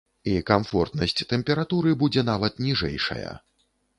І камфортнасць тэмпературы будзе нават ніжэйшая.